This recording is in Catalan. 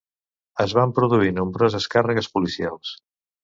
Es van produir nombroses càrregues policials.